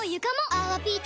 「泡ピタ」！